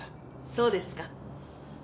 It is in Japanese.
そうですか。